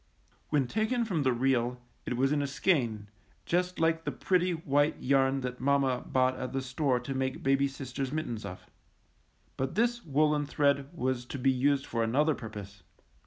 When taken from the reel it was in a skein, just like the pretty white yarn that mamma bought at the store to make baby sister's mit tens of. But this woolen thread was to be used for another purpose.